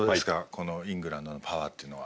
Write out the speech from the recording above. このイングランドのパワーっていうのは。